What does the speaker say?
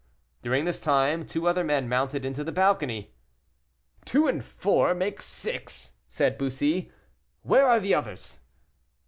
During this time two other men mounted into the balcony. "Two and four make six," said Bussy, "where are the others?"